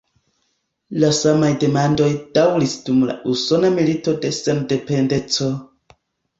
La samaj demandoj daŭris dum la Usona Milito de Sendependeco.